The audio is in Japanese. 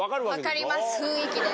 分かります雰囲気で。